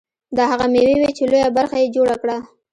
دا هغه مېوې وې چې لویه برخه یې جوړه کړه.